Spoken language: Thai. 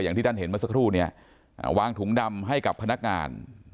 อย่างที่ท่านเห็นเมื่อสักครู่เนี่ยวางถุงดำให้กับพนักงาน